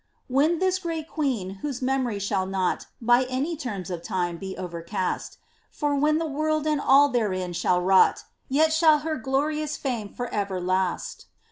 When this great queen, whoso memory shall not By any term of time be overcast. For when the world and all tlierein shall lOt, Yet shall her glorious fame for ever last.